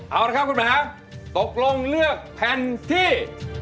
เอาละครับคุณหมายตกลงเลือกแผ่นที่